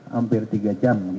hampir tiga jam